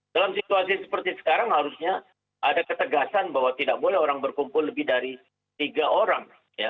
dalam situasi seperti sekarang harusnya ada ketegasan bahwa tidak boleh orang berkumpul lebih dari tiga orang